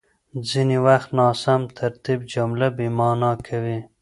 ځينې وخت ناسم ترتيب جمله بېمعنا کوي.